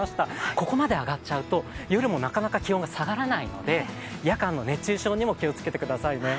ここまで上がっちゃうと夜もなかなか気温が下がらないので、夜間の熱中症にも気をつけてくださいね。